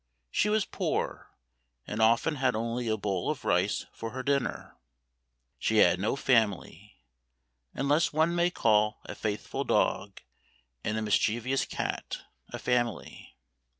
She was poor, and often had only a howl of rice for her dinner. She had no family, unless one may call a faithful dog and a mischievous cat, a family.